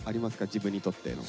自分にとっての。